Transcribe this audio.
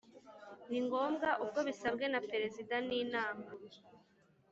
ni ngombwa ubwo bisabwe na Perezida n inama